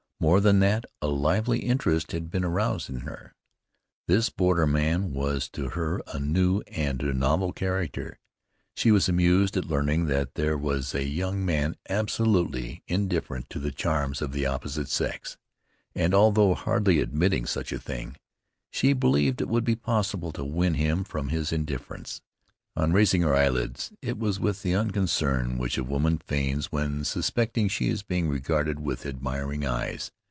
More than that, a lively interest had been aroused in her. This borderman was to her a new and novel character. She was amused at learning that here was a young man absolutely indifferent to the charms of the opposite sex, and although hardly admitting such a thing, she believed it would be possible to win him from his indifference. On raising her eyelids, it was with the unconcern which a woman feigns when suspecting she is being regarded with admiring eyes.